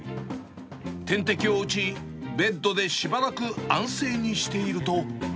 点滴を打ち、ベッドでしばらく安静にしていると。